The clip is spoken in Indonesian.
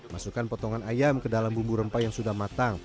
masukkan potongan ayam ke dalam bumbu rempah yang sudah matang